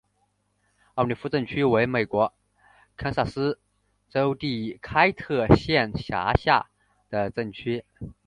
奥利夫镇区为美国堪萨斯州第开特县辖下的镇区。